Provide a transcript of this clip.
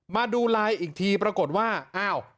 มาดูไลน์อีกทีปรากฏว่าอ้าว